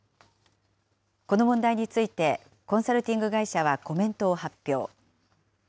この問題についてコンサルティング会社はコメントを発表。